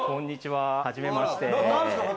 はじめまして。